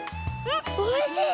あおいしい！